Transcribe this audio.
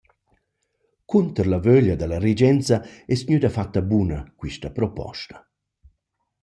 Cunter la vöglia da la regenza es gnüda fatta buna quista proposta.